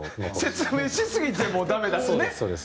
説明しすぎてもダメだしね。